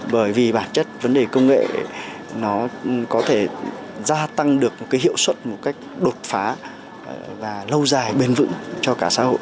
bởi vì bản chất vấn đề công nghệ nó có thể gia tăng được hiệu suất một cách đột phá và lâu dài bền vững cho cả xã hội